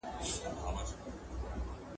• مرگ کله نخرې کوي، کله پردې کوي.